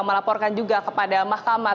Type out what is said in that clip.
melaporkan juga kepada mahkamah